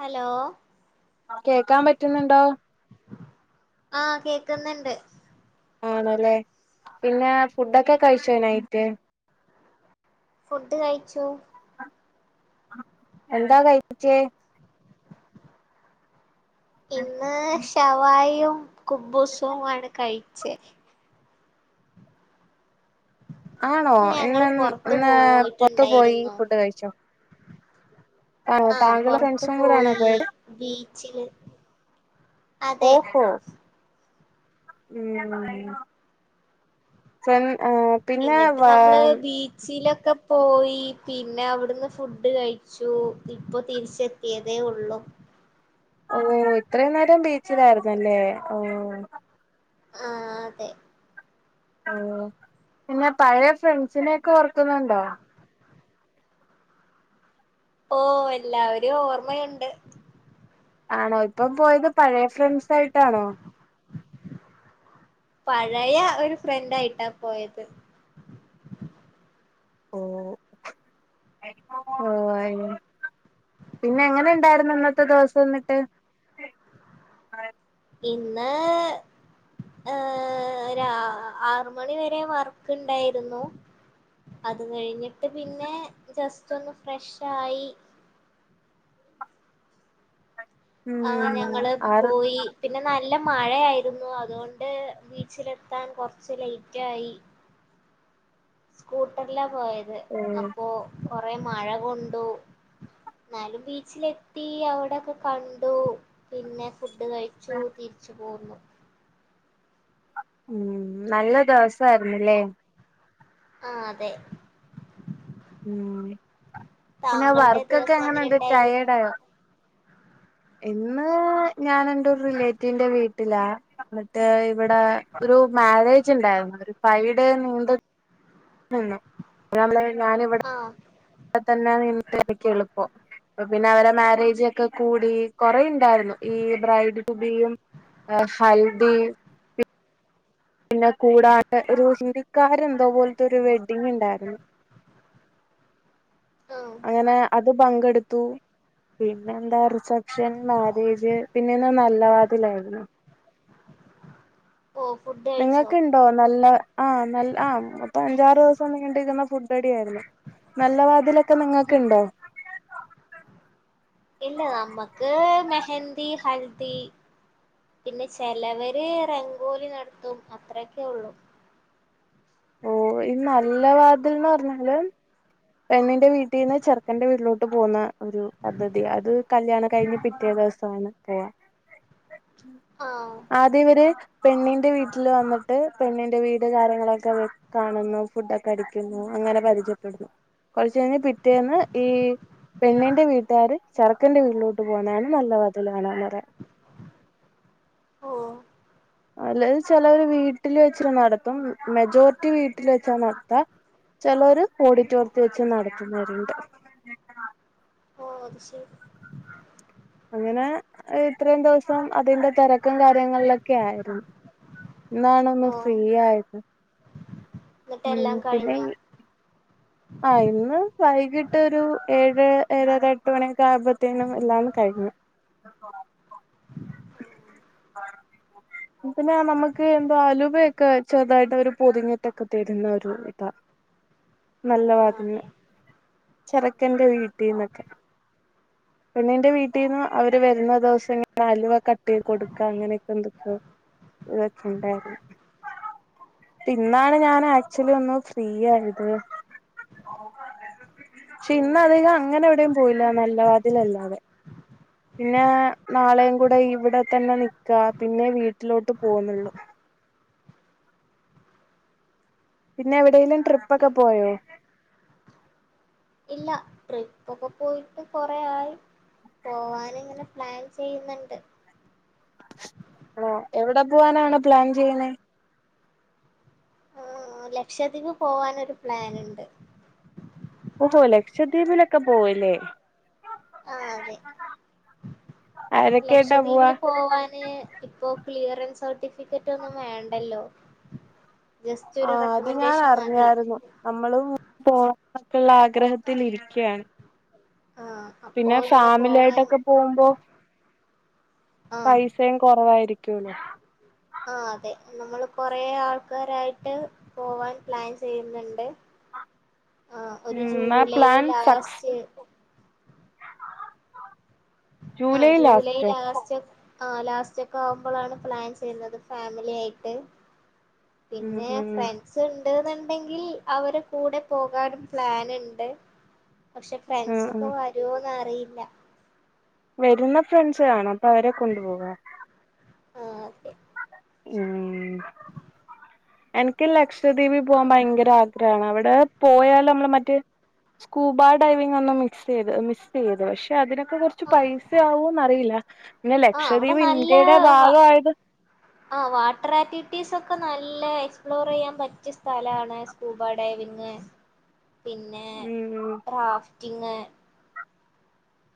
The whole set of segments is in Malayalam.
ഹലോ കേക്കാൻ പറ്റുന്നുണ്ടോ ആഹ് കേക്കുന്നുണ്ട് ആണല്ലേ പിന്നെ ഫുഡൊക്കെ കഴിച്ചോ നൈറ്റ് ഫുഡ് കഴിച്ചു എന്താ കഴിച്ചേ ഇന്ന് ഷവായിയും കുബൂസും ആണ് കഴിച്ചേ ആണോ ഞങ്ങള് ഇന്ന് പൊറത്തു പൊറത്തു പോയി പോയിട്ടുണ്ടായിരുന്നു ഫുഡ് കഴിച്ചോ ആണോ ആഹ് താങ്കളും പൊറത്തു ഫ്രണ്ട്സും കൂടെ ആണോ പോയി പോയത് ബീച്ചില് അതെ ഓഹോ ഉം പിന്നെ എന്നിട്ട് വാ നമ്മള് ബീച്ചിലൊക്കെ പോയി പിന്നെ അവിടുന്ന് ഫുഡ് കഴി ച്ചു ഇപ്പോ തിരിച്ചെത്തിയതേ ഉള്ളൂ ഓ ഇത്രയും നേരം ബീച്ചിൽ ആയിരുന്നല്ലേ ഓ ആഹ് അതെ ഓഹ് പിന്നെ പഴയ ഫ്രണ്ട്സിനെയൊക്കെ ഓർക്കുന്നുണ്ടോ ഓഹ് എല്ലാവരെയും ഓർമ്മയുണ്ട് ആണോ ഇപ്പം പോയത് പഴയ ഫ്രണ്ട്സ് ആയിട്ടാണോ പഴയ ഒരു ഫ്രണ്ട് ആയിട്ടാ പോയത് ഓ ഓ ആണല്ലേ പിന്നെ എങ്ങനെ ഉണ്ടായിരുന്നു ഇന്നത്തെ ദിവസം എന്നിട്ട് ഇന്ന് ഏഹ് രാ ആറു മണിവരെ വർക്ക് ഉണ്ടായിരുന്നു അത് കഴിഞ്ഞിട്ട് പിന്നെ ജസ്റ്റ് ഒന്ന് ഫ്രഷായി ഉം ആഹ് ഞങ്ങള് ആറ് പോയി പിന്നെ നല്ല മഴയായിരുന്നു അതുകൊണ്ട് ബീച്ചിലെത്താൻ കുറച്ച് ലേറ്റ് ആയി സ്കൂട്ടറിലാ പോയത് ഉം അപ്പോ കൊറെ മഴ കൊണ്ടു എന്നാലും ബീച്ചിലെത്തി അവിടൊക്കെ കണ്ടു പിന്നെ ഫുഡ് കഴിച്ചൂ തിരിച്ചു പോന്നു ഉം നല്ല ദെവസായിരുന്നിലേ ആഹ് അതെ ഉം പിന്നെ താങ്കൾടെ വർക്കൊക്കെ ദിവസം എങ്ങനെ എങ്ങനെണ്ട് ഇണ്ടായിരുന്നു ടയേർഡ് ആയോ ഇന്ന് ഞാന് എന്റെ ഒരു റിലേറ്റീവിന്റെ വീട്ടിലാ ഇന്നിട്ട് ഇവിടാ ഒരു മാരേജ് ഇണ്ടായിരുന്നു ഒരു ഫൈവ് ഡേ നീണ്ട നിന്നു ഞാൻ ആഹ് ഇവിടെ തന്നെ നിന്ന് എനിക്ക് എളുപ്പം അപ്പൊ പിന്നെ അവരെ മാരേജ് ഒക്ക കൂടി കൊറേ ഇണ്ടായിരുന്നു ഈ ബ്രൈഡ് റ്റു ബീയും ഏഹ് ഹൽദി പിന്നെ കൂടാതെ ഒരു ഹിന്ദിക്കാരെ എന്തോപോല്ത്തൊരു വെഡിങ് ഇണ്ടായിരുന്നു ആഹ് ഇങ്ങനേ അത് പങ്കെടുത്തു പിന്നെ എന്താ റിസപ്ഷൻ മാരേജ് പിന്നെന്ന് നല്ല വാതിലായിരുന്നു ഓഹ് ഫുഡ് കഴിച്ചോ ഉണ്ടോ നല്ല ആഹ് നല്ല ആഹ് അപ്പൊ അഞ്ചാറ് ദിവസം നീണ്ടിരിന്ന ഫുഡ്ഡടി ആയിരുന്നു നല്ല വാതിലൊക്ക നിങ്ങക്ക്‌ണ്ടൊ ഇല്ല നമ്മക്ക് മെഹന്ദി ഹൽദി പിന്നെ ചെലവര് റംഗോലി നട്ത്തും അത്രൊക്കെ ഉള്ളു ഓഹ് ഈ നല്ല വാതിൽന്ന് പറഞ്ഞാല് പെണ്ണിന്റെ വീട്ടിന്ന് ചെറുക്കന്റെ വീട്ടിലോട്ട് പോകുന്ന ഒരു പദ്ധതി അത് കല്യാണം കഴിഞ്ഞ് പിറ്റേ ദിവസാണ് പോവ ആഹ് ആദ്യം ഇവര് പെണ്ണിന്റെ വീട്ടില് വന്നിട്ട് പെണ്ണിന്റെ വീട് കാര്യങ്ങളൊക്കെ വ കാണുന്നു ഫുഡ് ഒക്ക അടിക്കുന്നു അങ്ങനെ പരിചയപ്പെടുന്നു കൊറ്ച്ച് കഴിഞ്ഞ് പിറ്റേന്ന് ഈ പെണ്ണിന്റെ വീട്ടുകാര് ചെറുക്കന്റെ വീട്ടിലോട്ട് പോകുന്നതാണ് നല്ല വതിൽ കാണാന്ന് പറയാ ഓഹ് അല്ലെൽ ചിലവര് വീട്ടിൽ വെച്ച് നടത്തും മെജോറിറ്റി വീട്ടിൽ വെച്ചാ നടത്ത ചെലോര് ഓഡിറ്റോറിയത്തി വെച്ച് നടത്തുന്നവരുണ്ട് ഓഹ് അത് ശരി അങ്ങനെ ഇത്രയും ദിവസം അതിന്റെ തെരക്കും കാര്യങ്ങളിലൊക്ക ആയിരുന്നു ഇന്നാണ് ഒന്ന് ഓ ഫ്രീ ആയത് ഇന്നിട്ട് ഉം എല്ലാം പിന്നെ കഴിഞ്ഞോ ഈ ആഹ് ഇന്ന് വൈകിട്ട് ഒരൂ ഏഴ് ഏഴര എട്ട് മണിയൊക്ക ആയപ്പത്തേനും എല്ലാം കഴിഞ്ഞു ആഹ് ആഹ് പിന്നെ നമക്ക് എന്താ അലുവയൊക്കെ ചെറുതായിട്ട് അവര് പൊതിഞ്ഞിട്ടൊക്ക തരുന്ന ഒരു നല്ല ആഹ് വാതിൽന് അതെ ചെറുക്കന്റെ വീട്ടിന്നൊക്കെ പെണ്ണിന്റെ വീട്ടീന്ന് അവര് വരുന്ന ദിവസം ഇങ്ങനെ അലുവ കട്ടീത് കൊടുക്ക അങ്ങനൊക്കെ എന്തൊക്ക്യെ ഇതൊക്കെണ്ടായിരുന്നു ഇന്നാണ് ഞാൻ ആക്ച്വലി ഒന്ന് ഫ്രീ ആയത് പക്ഷെ ഇന്ന് ആഹ് അധികം അങ്ങനെ എവിടെയും പോയില്ല നല്ല വാതിലല്ലാതെ പിന്നാ നാളെയും കുടയും ഇവിടെ തന്നെ നിക്കാ പിന്നെ വീട്ടിലോട്ട് പോവുന്നുള്ളു പിന്നെ എവിടേലും ട്രിപ്പൊക്ക പിന്നെ പോയോ ഇല്ല ട്രിപ്പൊക്ക പോയിട്ട് കൊറേ ആയി പോവാന് ഇങ്ങനെ പ്ലാൻ ചെയ്യുന്ന്ണ്ട് ഹലോ എവിടെ പോവാനാണ് പ്ലാൻ ചെയ്യണേ ആഹ് ലക്ഷദ്വീപ് പോകാനൊരു പ്ലാൻ ഉണ്ട് ഓഹോ ലക്ഷദ്വീപിലൊക്കെ പോവുല്ലേ ആഹ് അതെ ആരൊക്കെയായിട്ടാ പോവാ ലക്ഷദ്വീപില് പോവാന് ഇപ്പോൾ ക്ലിയറൻസ് സർട്ടിഫിക്കറ്റ് ഒന്നും വേണ്ടല്ലോ ജസ്റ്റ് ഒരു ആഹ് അത് ഞാൻ റെക്കമെൻഡേഷൻ മതി അറിഞ്ഞായിരുന്നു നമ്മളും പോവണന്നൊക്കെയുള്ള ആഗ്രഹത്തിലിരിക്കയാണ് ആഹ് അപ്പോ പിന്നെ ഇങ്ങനെ ഫാമിലി പോവാൻ ആയിട്ടൊക്കെ പോകുമ്പോ ആഹ് പൈസ സയും കുറവായിരിക്കുല്ലോ ആ അതെ നമ്മൾ കൊറേ ആൾക്കാരായിട്ട് പോവാൻ പ്ലാൻ ചെയ്യുന്നുണ്ട് ആഹ്.... ആ ഒരു ജൂലൈ സക്സ് ലാസ്റ്റ് ആഹ് ജൂലൈ ലാസ്റ്റ് ആ ലാസ്റ്റ് ഒക്കെ ആവുമ്പോളാണ് പ്ലാൻ ചെയ്യുന്നത് ഫാമിലി ആയിട്ട് ഉം പിന്നെ ഉം ഫ്രണ്ട്സ് ഉണ്ട്ന്നുണ്ടെങ്കിൽ അവരെ കൂടെ പോകാനും പ്ലാനുണ്ട് പക്ഷെ ഫ്രണ്ട്സ ഉം ഒക്കെ ഉം വരോന്ന് അറിയില്ല വരുന്ന ഫ്രണ്ട്സ് ആണേ അപ്പൊ അവരെ കൊണ്ടു പോകാം ആഹ്അതെ. ഉം എനിക്ക് ലക്ഷദീപി പോകാൻ ഭയങ്കര ആഗ്രഹാണ് അവിടെ പോയാല് നമ്മള് മറ്റേ സ്കൂബ ഡൈവിംഗ ഒന്ന് മിക്സ് ചെയ്ത് മിക്സ് ചെയ്ത് പിന്നെ അതിനൊക്കെ കുറച്ച് പൈസ ആവൂന്ന്റിയില്ല പിന്നെ ആഹ് അവിടെ ലക്ഷദ്വീപ് ഇന്ത്യയുടെ നല്ല ഭാഗയത് ആ വാട്ടർ ആറ്റിവിറ്റീസ് ഒക്കെ നല്ല എക്സ്പ്ലോർ ചെയ്യാൻ പറ്റിയ സ്ഥലമാണ് സ്കൂബ ഡൈവിംഗ് പിന്നെ ഉം റാഫ്റ്റിങ്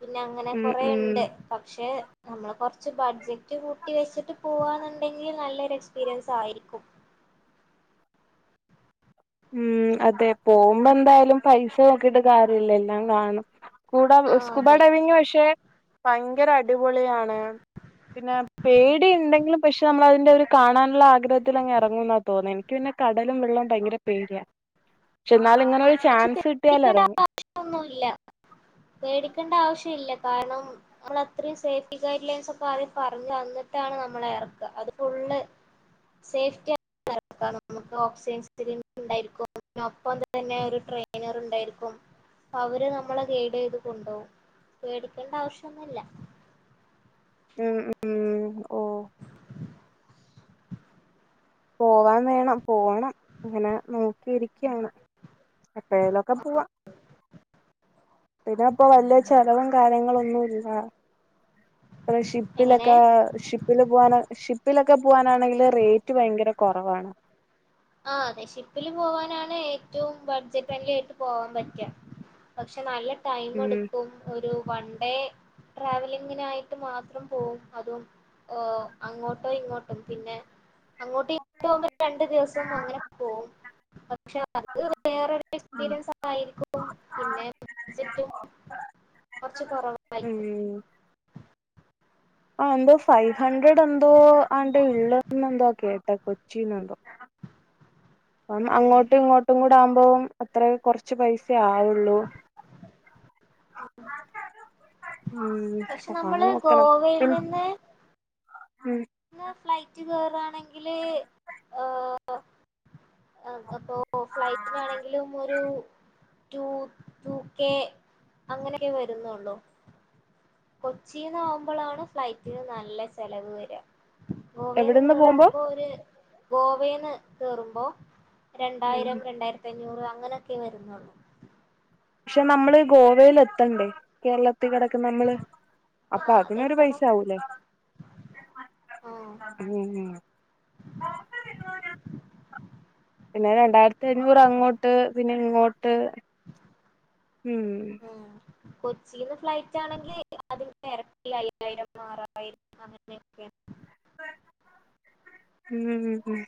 പിന്നെ അങ്ങനെ ഉം കൊറെ ഉം ഇണ്ട് പക്ഷെ നമ്മൾ കുറച്ച് ബഡ്ജറ്റ് കൂട്ടി വെച്ചിട്ട് പോവാന്നുണ്ടെങ്കിൽ നല്ലൊരു എക്സ്പീരിയൻസ് ആയിരിക്കും ഉം അതെ പോകുമ്പോ എന്തായാലും പൈസ നോക്കിട്ട് കാര്യില്ലല്ലോ എല്ലാ കാണും കൂട ആ സ്കൂബ അതെ ഡൈവിങ് പക്ഷെ ഭയങ്കര അടിപൊളിയാണ് പിന്നെ പേടി ഉണ്ടെങ്കിലും പക്ഷെ നമ്മൾ അതിന്റെ ഒരുര് കാണാനുള്ള ആഗ്രഹത്തിൽ അങ്ങ് ഇറങ്ങും എന്ന തോന്നേ പിന്നെ കടലും വെള്ളവും ഭയങ്കര പേടിയ പക്ഷെ എന്നാല ഇങ്ങനെ ഒരു ചാൻസ് കിട്ടിയാല് ഇറങ്ങും ഒന്നുംല്ല പേടിക്കേണ്ട ആവശ്യ ഇല്ല കാരണം നമ്മള അത്രയും സേഫ്റ്റി ഗൈഡ് ലൈൻസ് ഒക്കെ ആദ്യം പറഞ് തന്നിട്ടാണ് നമ്മള എർക്ക അത് ഫുള്ള് സേഫ്റ്റി നമക്ക് ഓക്സിജൻ സിലിണ്ടർ ഉണ്ടായിരിക്കും ഒപ്പം തന്നെ ഒരു ട്രെയിനർ ഉണ്ടായിരിക്കും അപ്പൊ അവര് നമ്മളെ ഗൈഡ് ചെയ്ത് കൊണ്ടുപോകും മേടിക്കേണ്ട ആവശ്യംന്നുല്ല ഉം ഉം ഓ പോവാൻ വേണം പോണം ഇങ്ങനെ നോക്കി ഇരി ക്കാണ് എപ്പോഴേലും ഒക്കെ പോവാ പിന്നെ ഇപ്പോ വലിയ ചെലവും കാര്യങ്ങള ഒന്നും ഇല്ല ആഹ് എങ്ങനെ ഷിപ്പിലൊക്കെ ഷിപ്പ ഷിപ്പിൽ പോകാന ഷിപ്പിലൊക്കെ പോവാനാണെങ്കിൽ റേറ്റ് ഭയങ്കര കുറവാണ് ആഹ് അതെ ഷിപ്പില് പോവാനാണ് ഏറ്റവും ബഡ്ജറ്റ് ഫ്രണ്ട്ലി ആയിട്ട് പോവാൻ പറ്റാ. പക്ഷെ നല്ല ഉം ടൈമെടുക്കും. ഒരു വൺ ഡേ ട്രാവലിങ്ങിനായിട്ട് മാത്രം പോവും അതും ഓ അങ്ങോട്ടോ ഇങ്ങോട്ടും പിന്നെ അങ്ങോട്ടും ഇങ്ങോട്ടും ആകുമ്പോ രണ്ട് ദിവസ് സം അങ്ങന പോവും. പക്ഷെ അത് വേറെ ഒരു ഉം എക്സ്പീരിയൻസ് ആയിരിക്കും പിന്നെ ബഡ്ജറ്റും കൊർച്ച് കൊറവാ [unintelligible] ആഹ് എന്തോ ഫൈവ് ഹൺഡ്രഡ് എന്തോ ആണ്ട് ഉള്ളത് ന്നെന്തോ കേട്ടത് കൊച്ചീന്നെന്തോ. അപ്പം ആഹ് അങ്ങോട്ടും ഇങ്ങോട്ടും കൂടാവുമ്പോം അത്രെ കൊറച്ച് പൈസേ ആവുള്ളൂ. [unintelligible] ഉം. പക്ഷെ ആ നമ്മള് നോക്കണം ഗോവയിൽ പി നിന്ന്. ഉം. ന്ന് ഫ്ലൈറ്റ് കേറാണെങ്കില് ഏഹ് ആഹ് അപ്പൊ ഫ്ലൈറ്റിനാണെങ്കിലും ഇപ്പൊരു റ്റൂ, റ്റു കെ അങ്ങനെയൊക്കെ വരുന്നൊള്ളൂ. കൊച്ചീന്നാവുമ്പളാണ് ഫ്ലൈറ്റിന് നല്ല ചെലവ് വരാ. ഗോവേന്ന് എവിടെന്ന് പോകുമ്പോ കേറോവുമ്പോ ഒരു ഗോവേന്ന് കേറുമ്പോ ഉം രണ്ടായിരം രണ്ടായിരത്തി അഞ്ഞൂറ് അങ്ങനൊക്കെ വരുന്നൊള്ളൂ. പക്ഷെ നമ്മള് ഗോവയ്ല് എത്തണ്ടേ? കേരള ത്തി കിടക്ക്ന്ന നമ്മള്. അപ്പൊ ആഹ് അതിനൊരു പൈസ അതെത്തണം ആവൂല്ലേ. ആഹ് അത് തന്നെ. പിന്നെ രണ്ടായിരത്തി അഞ്ഞൂറ് അങ്ങോട്ട് പിന്നെ ഇങ്ങോട്ട് ഉം. ഉം കൊച്ചീന്ന് ഫ്ലൈറ്റ് ആണെങ്കി അതിൻ്റെ എരട്ടി അയ്യായിരം ആറായിരം അങ്ങനെയൊക്കെ. ഉം ഉം ഉം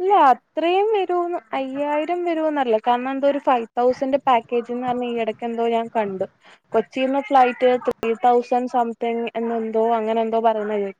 അല്ല അത്രയും വരുവോന്ന് അയ്യായിരം വരുവോന്നറ്ല്ല കാരണം എന്തോ ഒരു ഫൈവ് തൗസന്റെ പാക്കേജ് ന്ന് പറഞ്ഞ് ഈയെട ക്കെന്തോ ഞാൻ കണ്ടു. കൊച്ചീന്ന് ഫ്ലൈറ്റ് ത്രീ തൗസൻ സംതിങ് എന്ന് എന്തോ അങ്ങനെ എന്തോ പറയുന്നത് കേ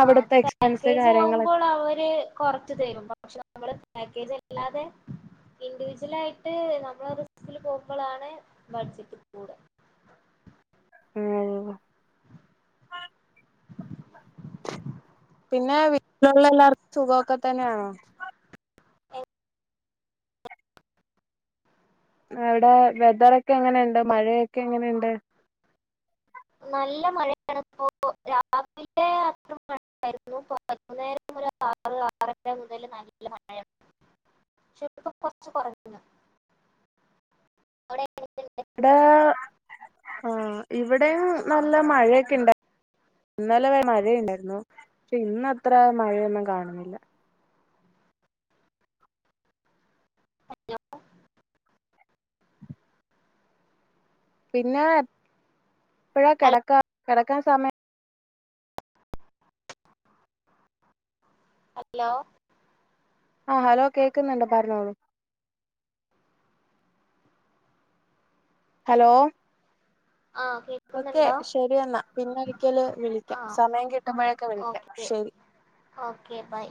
ആഹ് അത് എക്സ്പെൻസ് പാക്കേജാവുമ്പോൾ കാര്യങ്ങളൊക്കെ അവര് കൊറച്ച് തരും. പക്ഷെ നമ്മള് പാക്കേജല്ലാതെ, ഇൻഡിവിജ്വൽ ആയിട്ട് നമ്മളെ റിസ്കില് പോകുമ്പളാണ് ബഡ്ജറ്റ് കൂടാ. മ് ഓഹ്. പിന്നെ വീട്ടിലുള്ള എല്ലാർക്കും സുഖ ഒക്കെ തന്നെയാണോ? എ അവിടെ വെതറൊക്കെ എങ്ങനെയ്ണ്ട് മഴയൊക്കെ എങ്ങനെയ്ണ്ട്? നല്ല മഴയാണ് ഇപ്പോ. രാവിലെ അത്ര മഴയായിരുന്നു [unintelligible] വൈകുന്നേരം ഒര് ആറ് ആറര മുതൽ നല്ല മഴ. പക്ഷെ ഇപ്പം കൊർച്ച് കൊറഞ്ഞ്ണ്. അവിടെ [unintelligible] ടെ ആഹ് ഇവിടെയും നല്ല മഴയൊക്കെ ഇണ്ടാ ഇന്നലെ മഴയ്ണ്ടായിരുന്നു പക്ഷെ ഇന്നത്ര മഴയൊന്നും കാണുന്നില്ല. [unintelligible] പിന്നെ എപ്പഴാ കെടക്കാ? കെടക്കാൻ സമയാ ഹലോ ആഹ് ഹലോ കേക്കുന്നുണ്ട് പറഞ്ഞോളൂ ഹലോ ആഹ് കേ ഓക്കെ ശെരി എന്നാ. പിന്നെ ഒരിക്കല് വിളിക്കാം ആഹ് സമയം കിട്ടുമ്പോഴൊക്കെ വിളിക്കാം ഓക്കെ ശെരി. Okay bye